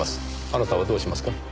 あなたはどうしますか？